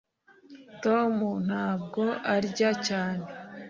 tom ntabwo arya cyane